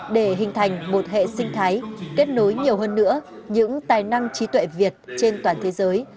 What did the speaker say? để hình thành một hệ sinh thái kết nối nhiều hơn nữa những tài năng trí tuệ việt trên toàn thế giới